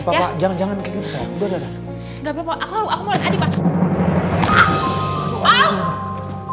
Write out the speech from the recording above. patuh atau disuruh dukung